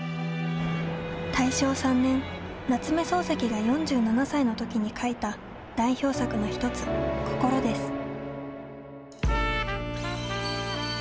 大正３年、夏目漱石が４７歳のときに書いた代表作の１つ、こころです。